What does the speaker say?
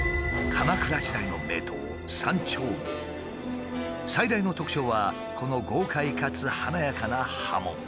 鎌倉時代の名刀最大の特徴はこの豪快かつ華やかな刃文。